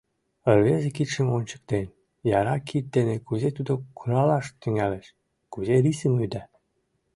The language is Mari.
Рвезе кидшым ончыктен: яра кид дене кузе тудо куралаш тӱҥалеш, кузе рисым ӱда?